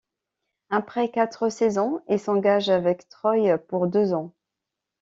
Après quatre saisons, il s'engage avec Troyes pour deux ans.